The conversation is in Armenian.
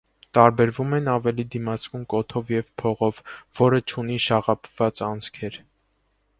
Տարբերվում ավելի դիմացկուն կոթով և փողով, որը չունի շաղափված անցքեր։